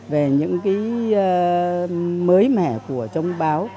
về những cái mới mẻ của trong báo